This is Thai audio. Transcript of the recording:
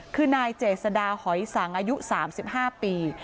คือนายเจษดาหอยสังอายุ๓๕ปี